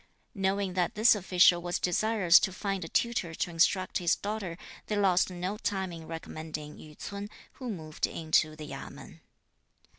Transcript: Knowing that this official was desirous to find a tutor to instruct his daughter, they lost no time in recommending Yü ts'un, who moved into the Yamên.